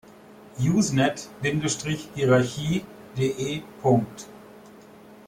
Usenet-Hierarchie de.